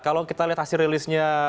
kalau kita lihat hasil rilisnya